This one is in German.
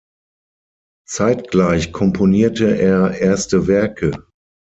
Zeitgleich komponierte er erste Werke.